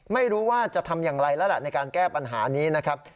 ไม่รู้ว่าจะทำอย่างไรแล้วล่ะในการแก้ปัญหานี้นะครับ